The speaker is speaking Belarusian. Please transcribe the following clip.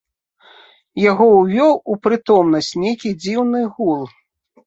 Яго ўвёў у прытомнасць нейкі дзіўны гул.